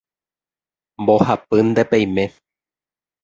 mbohapýnte peime